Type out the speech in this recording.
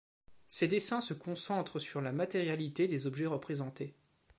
Ses dessins se concentrent sur la matérialité des objets représentés.